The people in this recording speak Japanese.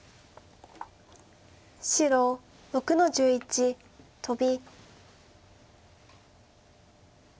白６の十一トビ。